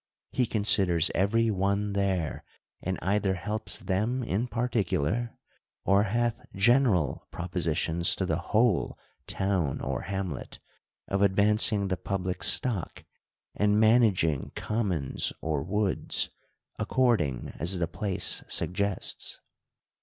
He considers every one there ; and either helps them in particular, or hath general propositions to the whole town or hamlet, of ad vancing the public stock, and managing commons or woods, according as the place suggests.